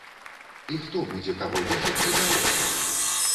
І хто будзе каго вешаць і завошта?